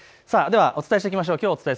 お伝えしていきましょう。